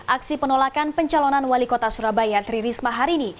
aksi penolakan pencalonan wali kota surabaya tri risma hari ini